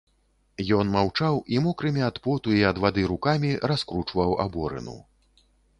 Ён маўчаў і мокрымі ад поту і ад вады рукамі раскручваў аборыну.